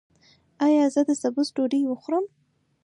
ایا زه د سبوس ډوډۍ وخورم؟